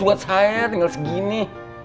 buat saya tinggal segini